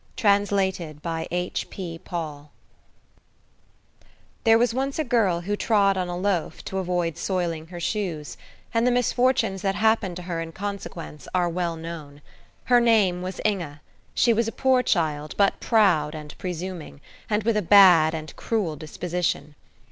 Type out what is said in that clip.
THE GIRL WHO TROD ON THE LOAF There was once a girl who trod on a loaf to avoid soiling her shoes, and the misfortunes that happened to her in consequence are well known. Her name was Inge; she was a poor child, but proud and presuming, and with a bad and cruel disposition.